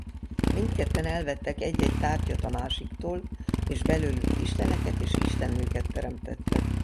Mindketten elvettek egy-egy tárgyat a másiktól és belőlük isteneket és istennőket teremtettek.